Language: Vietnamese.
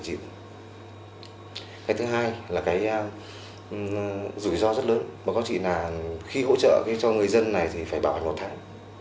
cái thứ hai là cái rủi ro rất lớn mà có chỉ là khi hỗ trợ cho người dân này thì phải bảo hành một tháng